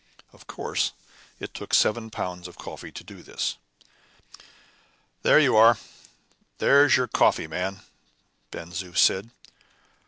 Of course, it took seven pounds of coffee to do this. "There you are! There's your coffee, man!" Ben Zoof said.